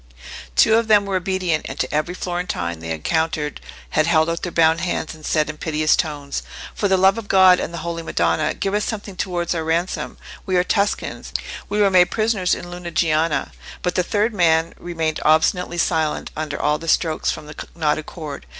Two of them were obedient, and to every Florentine they had encountered had held out their bound hands and said in piteous tones— "For the love of God and the Holy Madonna, give us something towards our ransom! We are Tuscans: we were made prisoners in Lunigiana." But the third man remained obstinately silent under all the strokes from the knotted cord.